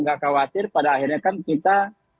nggak khawatir pada akhirnya kan kita